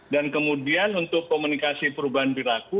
dan kemudian untuk komunikasi perubahan perilaku